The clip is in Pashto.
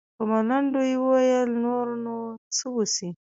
په ملنډو يې وويل نور نو څه وسي.